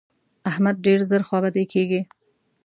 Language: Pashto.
احمد ډېر ژر خوابدی کېږي.